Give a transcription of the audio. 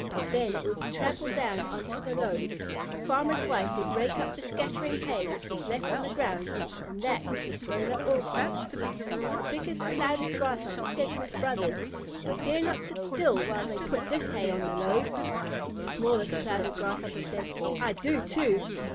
Then it would be trampled down on to the load, the farmer's wife would rake up the scattering hay which was left on the ground, and that would be thrown up also. The biggest Clouded Grasshopper said to his brothers, "You dare not sit still while they put this hay on the load!" The smallest Clouded Grasshopper said, "I do too!"